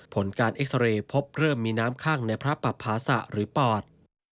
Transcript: ผลการเอ็กซาเรย์พบเริ่มมีน้ำข้างในพระปภาษะหรือปอด